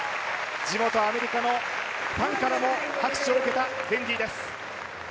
地元、アメリカのファンからも拍手を受けたデンディーです。